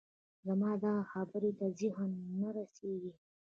زما دغه خبرې ته ذهن نه رسېږي